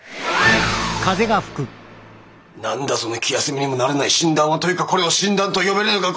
何だその気休めにもならない診断は。というかこれを診断と呼べるのか